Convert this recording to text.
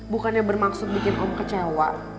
bukannya bermaksud bikin om kecewa